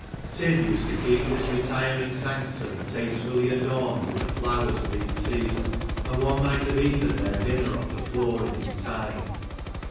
Tim used to keep this retiring sanctum taste fully adorned with the flowers of each season, and one might have eaten their dinner off the floor in his time.